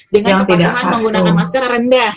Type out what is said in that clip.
dengan kepatuhan menggunakan masker rendah